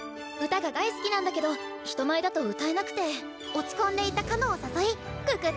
歌が大好きなんだけど人前だと歌えなくて落ち込んでいたかのんを誘い可